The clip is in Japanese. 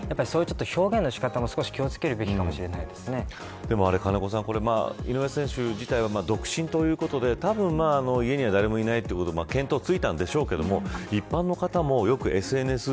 表現の仕方も少し気を付けるべきかも加奈子さん、井上選手自体は独身ということでたぶん家には誰もいないということが検討がついたんでしょうけど一般の方もよくＳＮＳで。